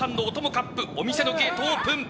カップお店のゲート、オープン！